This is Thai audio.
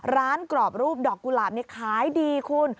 กรอบรูปดอกกุหลาบนี่ขายดีคุณ